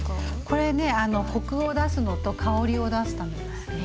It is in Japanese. これねコクを出すのと香りを出すためですね。